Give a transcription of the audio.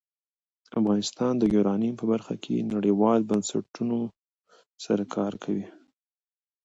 افغانستان د یورانیم په برخه کې نړیوالو بنسټونو سره کار کوي.